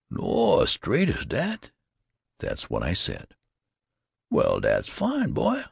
"No, straight, is dat straight?" "That's what I said." "Well, dat's fine, boy.